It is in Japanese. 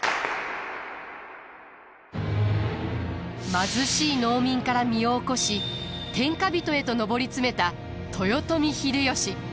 貧しい農民から身を起こし天下人へと上り詰めた豊臣秀吉。